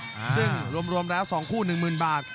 ซึ่งรวมแล้ว๒คู่๑๐๐๐๐บาท